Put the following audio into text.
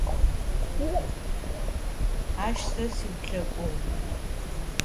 Ащ сэ сиуплъэкӏугъ.